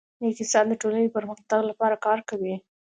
نیک انسان د ټولني د پرمختګ لپاره کار کوي.